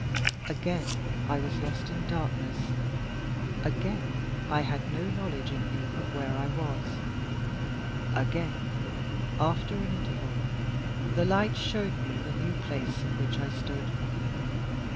Again, I was lost in darkness. Again, I had no knowledge in me of where I was. Again, after an interval, the light showed me the new place in which I stood.